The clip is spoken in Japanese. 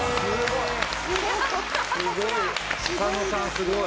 すごい。